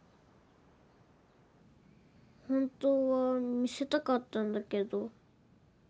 本当は見せたかったんだけど。